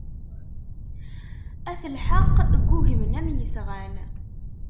At lḥeqq ggugmen am yesɣan.